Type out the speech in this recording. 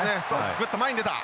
グッと前に出た。